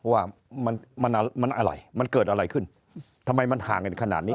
ว่ามันมันอะไรมันเกิดอะไรขึ้นทำไมมันห่างกันขนาดนี้